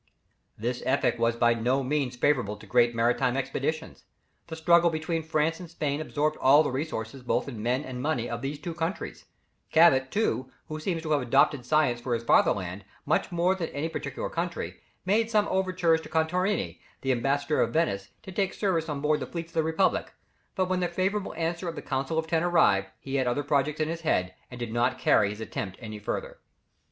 This epoch was by no means favourable to great maritime expeditions. The struggle between France and Spain absorbed all the resources both in men and money, of these two countries Cabot too, who seems to have adopted science for his fatherland, much more than any particular country, made some overtures to Contarini, the Ambassador of Venice, to take service on board the fleets of the Republic; but when the favourable answer of the Council of Ten arrived, he had other projects in his head, and did not carry his attempt any further.